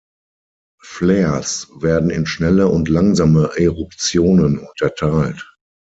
Flares werden in schnelle und langsame Eruptionen unterteilt.